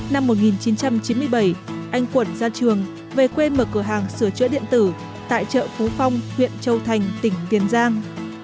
năm một nghìn chín trăm chín mươi bảy anh quẩn ra trường về quê mở cửa hàng sửa chữa điện tử tại chợ phú phong huyện châu thành tỉnh tiền giang